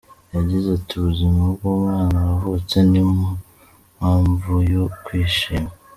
Yagize ati “ Ubizima bw’umwana wavutse n’impamvuyo kwishima.